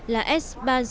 là s barnes